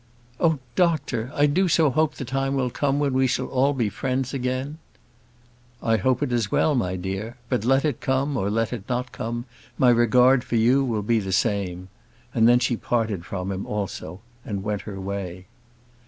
"Oh, doctor! I do so hope the time will come when we shall all be friends again." "I hope it as well, my dear. But let it come, or let it not come, my regard for you will be the same:" and then she parted from him also, and went her way.